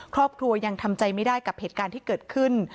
ครอบครัวยังทำใจไม่ได้กับเหตุการณ์ที่เกิดขึ้น